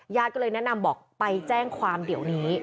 ญาติก็เลยแนะนำบอกไปแจ้งความเดี๋ยวนี้